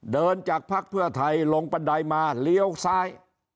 เดินจากพรรคเผื่อไทยลงปันดายมาเลี้ยวซ้าย